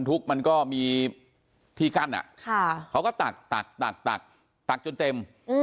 อืม